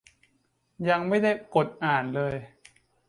ยังไม่ได้กดอ่านเลย